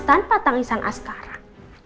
tanpa tangisan as karah